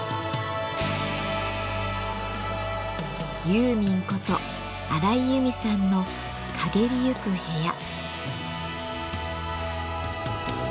ユーミンこと荒井由実さんの「翳りゆく部屋」。